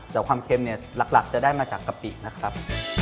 แต่ความเค็มเนี่ยหลักจะได้มาจากกะปินะครับ